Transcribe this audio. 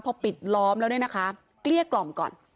พอปิดล้อมแล้วเนี่ยนะคะเกลี้ยกล่อมก่อน